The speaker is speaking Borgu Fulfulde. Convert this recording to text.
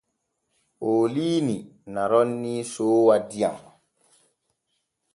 Ooliini na roonii soowa diyam.